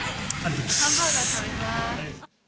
ハンバーガー食べます。